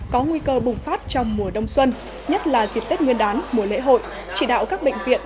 có nguy cơ bùng phát trong mùa đông xuân nhất là dịp tết nguyên đán mùa lễ hội chỉ đạo các bệnh viện